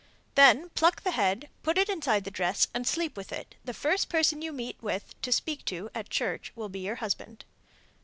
Then pluck the head, put it inside the dress, and sleep with it. The first person you meet with, to speak to, at church will be your husband.